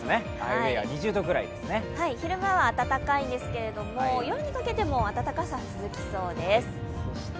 昼間は暖かいですが、夜にかけても暖かさは続きそうです。